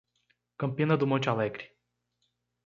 Campina do Monte Alegre